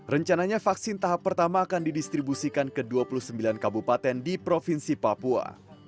rencananya vaksin tahap pertama akan didistribusikan ke dua puluh sembilan kabupaten di provinsi papua